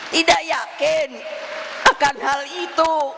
tidak yakin akan hal itu